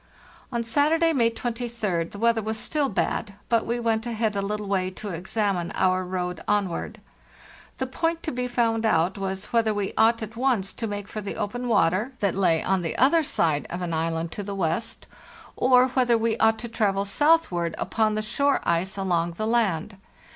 On Saturday, May 23d, the weather was still bad, but we went ahead a little way to examine our road onward. The point to be found out was whether we ought at once to make for the open water, that lay on the other SOUTHWARD. MAY, 1896 (from a photograph) THE JOURNEY SOUTHWARD 493 side of an island to the west, or whether we ought to travel southward upon the shore ice along the land.